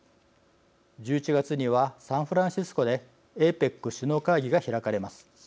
１１月にはサンフランシスコでＡＰＥＣ首脳会議が開かれます。